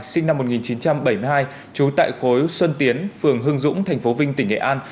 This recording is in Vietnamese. sinh năm một nghìn chín trăm bảy mươi hai trú tại khối xuân tiến phường hưng dũng tp vinh tỉnh nghệ an